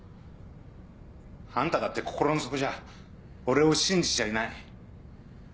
アンタだって心の底じゃ俺を信じちゃいない。